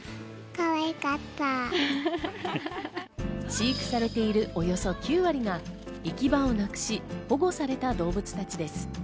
飼育されているおよそ９割が行き場をなくし保護された動物たちです。